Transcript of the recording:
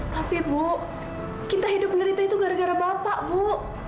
tapi bu kita hidup menderita itu gara gara bapak bu